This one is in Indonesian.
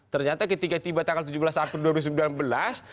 ternyata ketika tiba tanggal tujuh belas april dua ribu sembilan belas